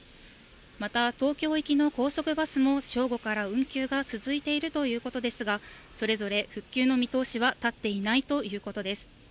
また、東京行きの高速バスも、正午から運休が続いているということですが、それぞれ復旧の見通しは立っていないということです。